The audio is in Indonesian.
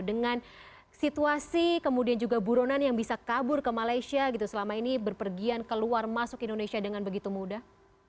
dengan situasi kemudian juga buronan yang bisa kabur ke malaysia gitu selama ini berpergian keluar masuk indonesia dengan begitu mudah